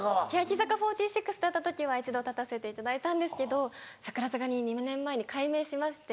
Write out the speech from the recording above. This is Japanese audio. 欅坂４６だった時は１度立たせていただいたんですけど櫻坂に２年前に改名しまして。